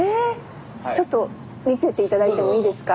ちょっと見せて頂いてもいいですか？